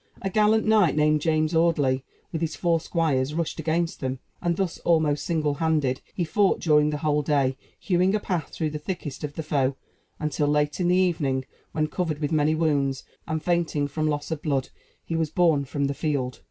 A gallant knight, named James Audley, with his four squires, rushed against them; and thus, almost single handed, he fought during the whole day, hewing a path through the thickest of the foe, until late in the evening; when, covered with many wounds, and fainting from loss of blood, he was borne from the field.